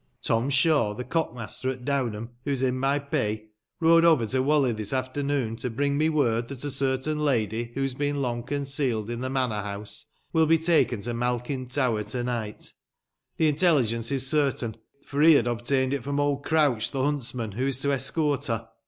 Tom Shaw, the cock master at Down ham, who is in my pay, rode over to WhalleT this afternoon, to bring me word that a certain lady, who has long been concealed in the manor house, will be taken to Malkin Tower to night. The intelligence is certain, for he had obtained it from old Grouch, the huntsman, who is to escort her.